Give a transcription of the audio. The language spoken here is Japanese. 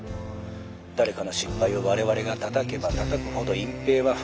誰かの失敗を我々がたたけばたたくほど隠蔽は増えていく。